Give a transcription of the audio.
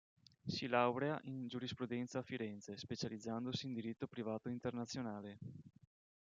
Si laurea in giurisprudenza a Firenze, specializzandosi in Diritto Privato Internazionale.